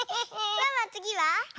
ワンワンつぎは？